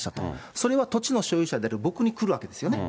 それは土地の所有者である僕に来るわけですよね。